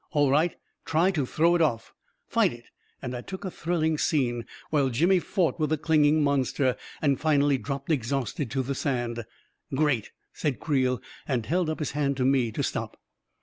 " All right 1 Try to throw it off ! Fight it I " and I took a thrilling scene while Jimmy fought with the clinging monster, and finally dropped exhausted to the sand. " Great !" said Creel, and held up his hand to me to stop.